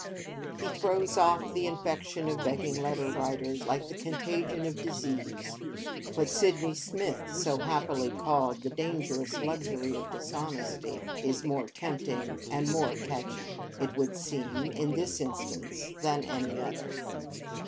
He throws off the infection of begging letter writing, like the contagion of disease. What Sydney Smith so happily called 'the dangerous luxury of dishonesty' is more tempting, and more catching, it would seem, in this instance than in any other.